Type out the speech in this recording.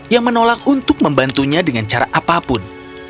yang menolak untuk membantunya dengan cara apapun